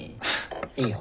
いいよ。